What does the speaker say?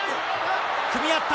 組み合った。